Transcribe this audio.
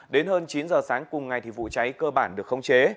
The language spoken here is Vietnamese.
đến hơn chín h sáng cùng ngày thì vụ cháy cơ bản được khống chế